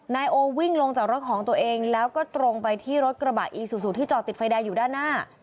นายโอวิ่งลงจากรถของตัวเองแล้วก็ตรงไปที่รถกระบะอีซูซูที่จอดติดไฟแดงอยู่ด้านหน้า